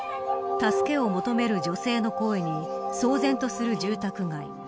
助けを求める女性の声に騒然とする住宅街。